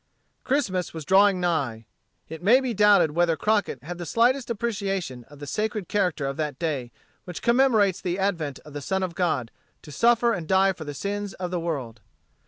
Christmas was drawing nigh. It may be doubted whether Crockett had the slightest appreciation of the sacred character of that day which commemorates the advent of the Son of God to suffer and die for the sins of the world.